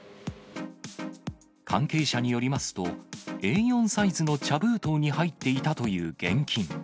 関係者によりますと、Ａ４サイズの茶封筒に入っていたという現金。